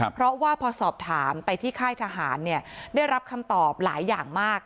เพราะว่าพอสอบถามไปที่ค่ายทหารได้รับคำตอบหลายอย่างมาก